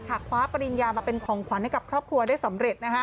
คว้าปริญญามาเป็นของขวัญให้กับครอบครัวได้สำเร็จ